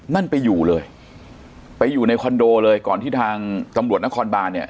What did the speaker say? นั่นไปอยู่เลยไปอยู่ในคอนโดเลยก่อนที่ทางตำรวจนครบานเนี่ย